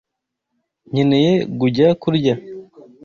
Nkeneye gujya kurya.